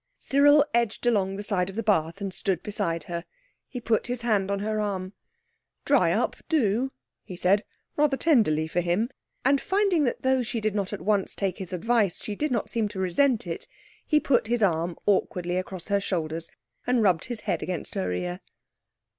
Cyril edged along the side of the bath and stood beside her. He put his hand on her arm. "Dry up, do," he said, rather tenderly for him. And, finding that though she did not at once take his advice she did not seem to resent it, he put his arm awkwardly across her shoulders and rubbed his head against her ear.